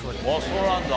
そうなんだ。